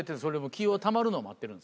気たまるのを待ってるんですか？